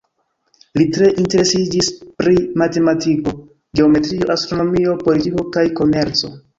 Li tre interesiĝis pri matematiko, geometrio, astronomio, politiko, kaj komerco.